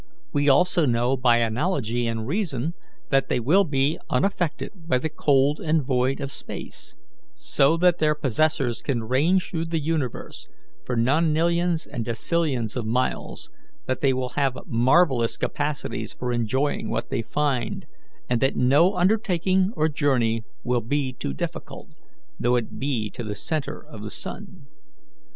We also know by analogy and reason that they will be unaffected by the cold and void of space, so that their possessors can range through the universe for non nillions and decillions of miles, that they will have marvellous capacities for enjoying what they find, and that no undertaking or journey will be too difficult, though it be to the centre of the sun.